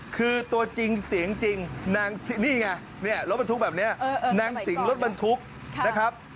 คือตัวจริงเสียงจริงนางนี่ไงเนี่ยรถบรรทุกแบบนี้นางสิงรถบรรทุกนะครับ